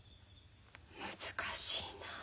難しいなあ。